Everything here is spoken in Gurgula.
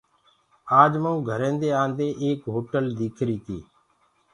آج مئون گھرينٚدي آ نٚدي ايڪ هوٽل ديٚکريٚ تيٚ